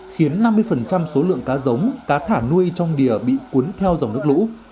khiến năm mươi số lượng cá giống cá thả nuôi trong đìa bị cuốn theo dòng nước lũ